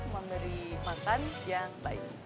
memberi makan yang baik